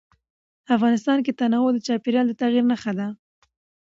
افغانستان کې تنوع د چاپېریال د تغیر نښه ده.